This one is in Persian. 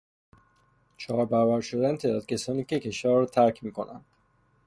چهار برابر شدن تعداد کسانی که کشور را ترک میکنند